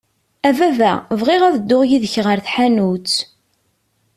A baba, bɣiɣ ad dduɣ yid-k ɣer tḥanutt.